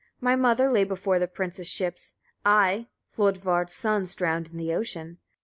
My mother lay before the prince's ships; I Hlodvard's sons drowned in the ocean.